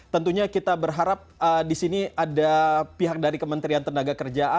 tentunya kita berharap di sini ada pihak dari kementerian tenaga kerja